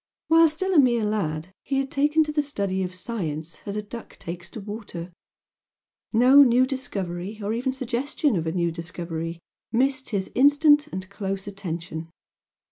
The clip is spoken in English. While still a mere lad he had taken to the study of science as a duck takes to water, no new discovery or even suggestion of a new discovery missed his instant and close attention.